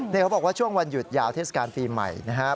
นี่เขาบอกว่าช่วงวันหยุดยาวเทศกาลปีใหม่นะครับ